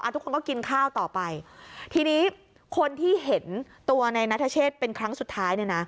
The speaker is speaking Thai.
ทุกคนก็กินข้าวต่อไปทีนี้คนที่เห็นตัวในนัทเชษเป็นครั้งสุดท้ายเนี่ยนะ